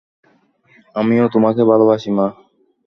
আমিও তোমাকে ভালোবাসি, মা।